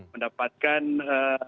mendapatkan dampaknya ya